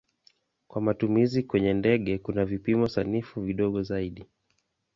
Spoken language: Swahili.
Kwa matumizi kwenye ndege kuna vipimo sanifu vidogo zaidi.